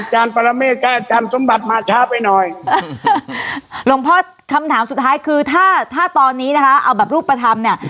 หลงพ่อคำถามสุดท้ายคือถ้าถ้าตอนนี้นะคะเอาแบบรูปธรรมเนี่ย